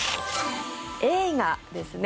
映画ですね。